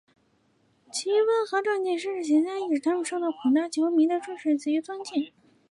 其温和正气的绅士形象亦使他受到广大球迷的支持及尊敬。